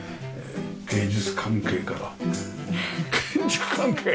芸術関係から建築関係！